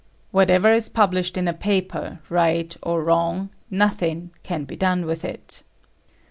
Whatever is published in a paper, right or wrong, nothing can be done with it."